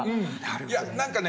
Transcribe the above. いや何かね